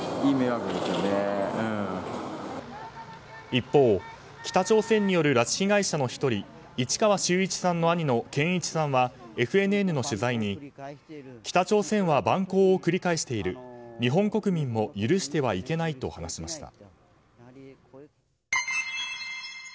一方、北朝鮮による拉致被害者の１人市川修一さんの兄の健一さんはＦＮＮの取材に北朝鮮は蛮行を繰り返している日本国民も許してはいけないと話しました。